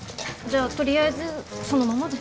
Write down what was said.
じゃあとりあえずそのままで。